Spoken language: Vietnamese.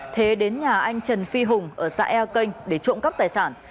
thế đến nhà anh trần phi hùng ở xã e kênh để trộm cắp tài sản